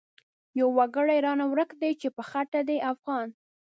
يو وګړی رانه ورک دی چی په خټه دی افغان